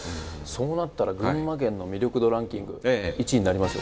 そうなったら群馬県の魅力度ランキング１位になりますよ。